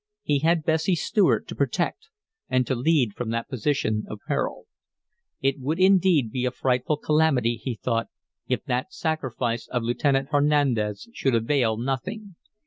He had Bessie Stuart to protect, and to lead from that position of peril. It would indeed be a frightful calamity, he thought, if that sacrifice of Lieutenant Hernandez should avail nothing.